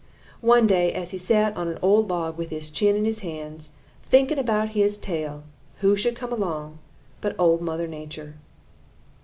One day, as he sat on an old log with his chin in his hands, thinking about his tail, who should come along but Old Mother Nature.